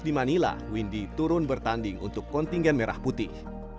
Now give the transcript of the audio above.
di manila windy turun bertanding untuk kontingen merah putih